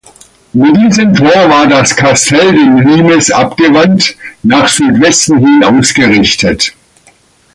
Mit diesem Tor war das Kastell dem Limes abgewandt, nach Südwesten hin ausgerichtet.